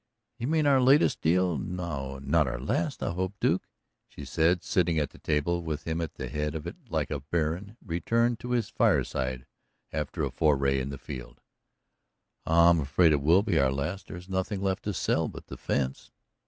"You mean our latest deal, not our last, I hope, Duke," she said, sitting at the table, with him at the head of it like a baron returned to his fireside after a foray in the field. "I'm afraid it will be our last; there's nothing left to sell but the fence."